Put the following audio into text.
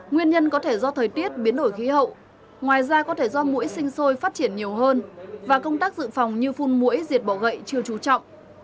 nguyên nhân có thể do thời tiết biến đổi khí hậu ngoài ra có thể do mũi sinh sôi phát triển nhiều hơn và công tác dự phòng như phun mũi diệt bỏ gậy chưa trú trọng